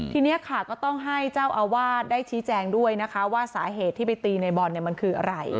ทีนี้ค่ะก็ต้องให้เจ้าอาวาสได้ชี้แจงด้วยนะคะว่าสาเหตุที่ไปตีในบอลมันคืออะไร